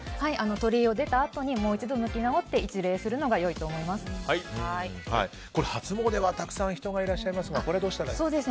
鳥居を出たあとにもう一度、向き直ってこれ、初詣はたくさん人がいらっしゃいますがこれはどうしたらいいですか？